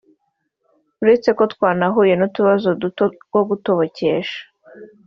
“Uretse ko twanahuye n’utubazo duto rwo gutobokesha